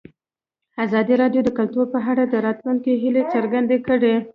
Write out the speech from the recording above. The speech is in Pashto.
ازادي راډیو د کلتور په اړه د راتلونکي هیلې څرګندې کړې.